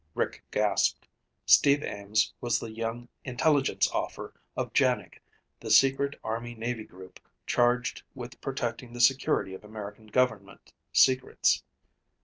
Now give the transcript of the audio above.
Rick gasped. Steve Ames was the young intelligence officer of JANIG, the secret Army Navy group charged with protecting the security of American government secrets.